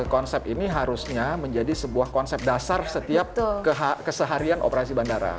konsep ini harusnya menjadi sebuah konsep dasar setiap keseharian operasi bandara